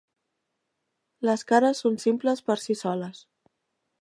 Les cares són simples per si soles.